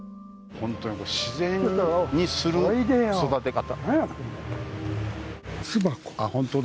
本当に自然にする育て方。